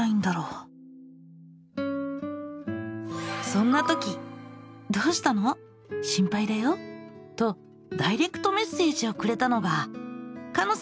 そんなとき「どうしたの？心配だよ」とダイレクトメッセージをくれたのがかの。